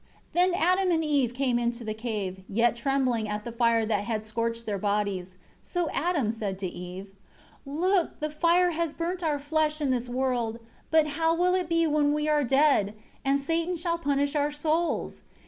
1 Then Adam and Eve came into the cave, yet trembling at the fire that had scorched their bodies. So Adam said to Eve: 2 "Look, the fire has burnt our flesh in this world; but how will it be when we are dead, and Satan shall punish our souls?